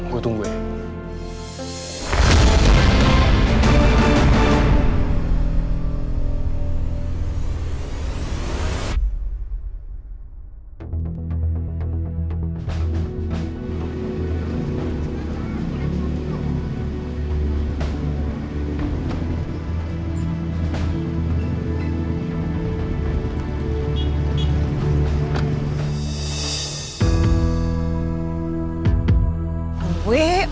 gue tunggu ya